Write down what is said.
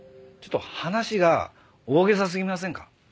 ちょっと話が大袈裟すぎませんか？